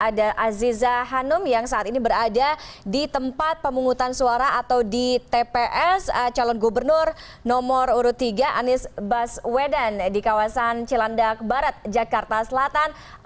ada aziza hanum yang saat ini berada di tempat pemungutan suara atau di tps calon gubernur nomor urut tiga anies baswedan di kawasan cilandak barat jakarta selatan